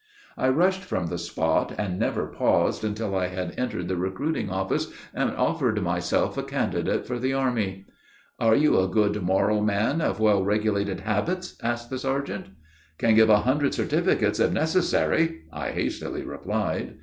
I rushed from the spot, and never paused until I had entered the recruiting office, and offered myself a candidate for the army. 'Are you a good, moral man, of well regulated habits?' asked the sergeant. 'Can give a hundred certificates, if necessary, I hastily replied.